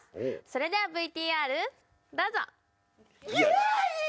それではＶＴＲどうぞイエーイ！